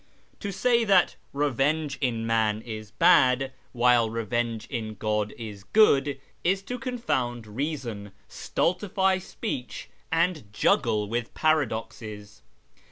To say that revenge in man is bad, while shIrAz 307 revenge in God is good, is to confound reason, stultify speech, and juggle with paradoxes.